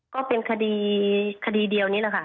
ก็เป็นคดีเดียวนี่แหละค่ะ